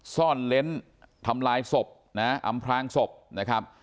ซ่อนเล้นทำลายศพนะอำพลางศพนะครับ